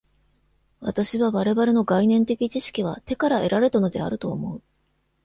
私は我々の概念的知識は手から得られたのであると思う。